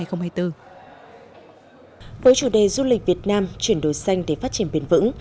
với chủ đề du lịch việt nam chuyển đổi xanh để phát triển bền vững